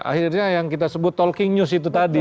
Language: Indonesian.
akhirnya yang kita sebut talking news itu tadi